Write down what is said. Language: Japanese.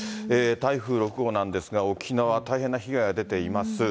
台風６号なんですが、沖縄、大変な被害が出ています。